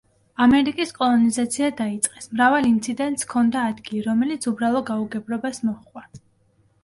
ამერიკის კოლონიზაცია დაიწყეს მრავალ ინციდენტს ჰქონდა ადგილი, რომელიც უბრალო გაუგებრობას მოჰყვა.